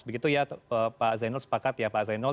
begitu ya pak zainul sepakat ya pak zainul